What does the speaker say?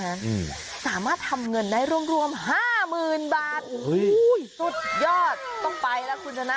อืมสามารถทำเงินได้รวมรวมห้าหมื่นบาทโอ้โหสุดยอดต้องไปแล้วคุณชนะ